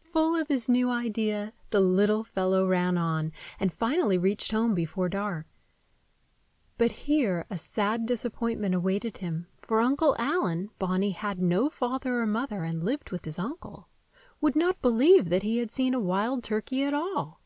Full of his new idea, the little fellow ran on, and finally reached home before dark. But here a sad disappointment awaited him, for Uncle Allen—Bonny had no father or mother, and lived with his uncle—would not believe that he had seen a wild turkey at all.